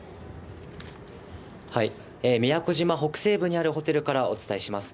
宮古島北西部にあるホテルからお伝えします。